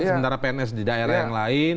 sementara pns di daerah yang lain